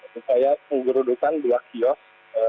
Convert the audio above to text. saya menggerudukan dua kiosk